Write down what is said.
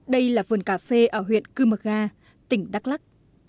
đây là vườn cà phê ở huyện cư mơ ga tỉnh đắk lắc